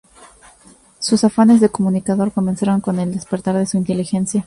Sus afanes de comunicador comenzaron con el despertar de su inteligencia.